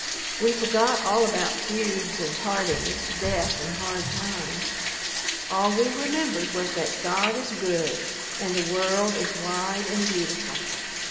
We forgot all about feuds and partings, death and hard times. All we remembered was that God is good and the world is wide and beautiful.